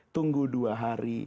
tunggu dua hari